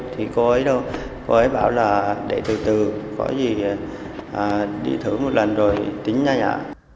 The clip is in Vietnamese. thì cô ấy đâu cô ấy bảo là để từ từ có gì đi thử một lần rồi tính nha nhà